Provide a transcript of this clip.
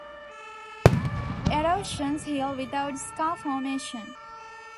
Erosions heal without scar formation.